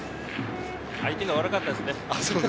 相手が悪かったですね。